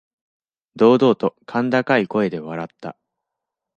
堂々と甲高い声で笑った。